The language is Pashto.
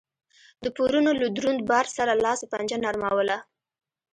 د پورونو له دروند بار سره لاس و پنجه نرموله